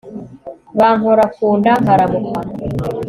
bankora ku nda nkaramukwa